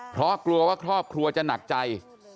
เพราะกลัวว่าครอบครัวจะหนักใจ